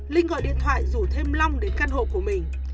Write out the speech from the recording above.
linh gọi điện thoại rủ thêm long đến căn hộ của mình